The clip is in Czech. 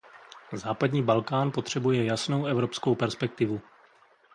Západní Balkán potřebuje jasnou evropskou perspektivu.